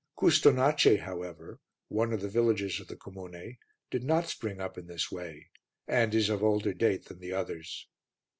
Custonaci, however, one of the villages of the comune, did not spring up in this way and is of older date than the others.